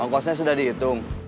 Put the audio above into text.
kostnya sudah dihitung